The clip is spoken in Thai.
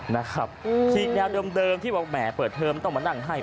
นะครับอีกแนวเดิมที่บอกแหมเปิดเทอมต้องมานั่งให้